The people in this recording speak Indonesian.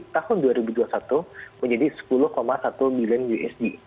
tahun dua ribu dua puluh satu menjadi sepuluh satu billion usd